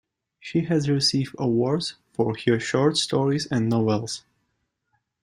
She has received awards for her short-stories and novels.